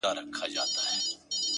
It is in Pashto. ستا د ږغ څــپــه ، څـپه ،څپــه نـه ده،